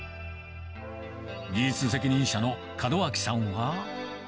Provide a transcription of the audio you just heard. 技術責任者の門脇さんは。